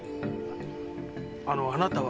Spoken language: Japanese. あのあなたは？